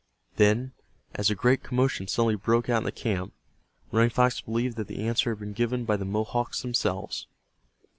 Then, as a great commotion suddenly broke out in the camp, Running Fox believed that the answer had been given by the Mohawks themselves.